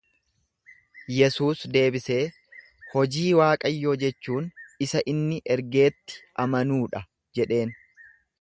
Yesuus deebisee, Hojii Waaqayyoo jechuun isa inni ergeetti amanuu dha jedheen.